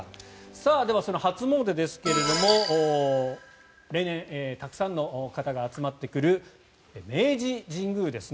では、その初詣ですが例年たくさんの方が集まってくる明治神宮ですね。